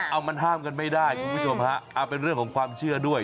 เอามันห้ามกันไม่ได้คุณผู้ชมฮะเอาเป็นเรื่องของความเชื่อด้วย